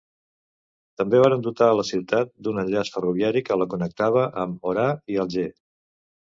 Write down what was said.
També varen dotar la ciutat d'un enllaç ferroviari que la connectava amb Orà i Alger.